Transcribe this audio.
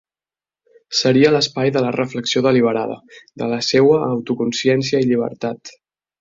Seria l'espai de la reflexió deliberada, de la seua autoconsciència i llibertat.